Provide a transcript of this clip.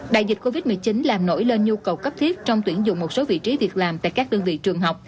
đại dịch covid một mươi chín làm nổi lên nhu cầu cấp thiết trong tuyển dụng một số vị trí việc làm tại các đơn vị trường học